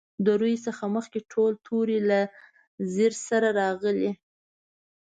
د روي څخه مخکې ټول توري له زېر سره راغلي.